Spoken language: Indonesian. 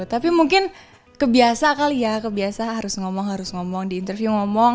tapi mungkin kebiasa kali ya kebiasa harus ngomong harus ngomong diinterview ngomong